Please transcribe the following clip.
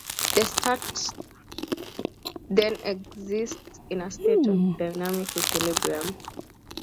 The star then exists in a state of dynamic equilibrium.